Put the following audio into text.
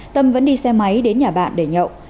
tâm vẫn đi xe máy đến nhà bạn để nhậu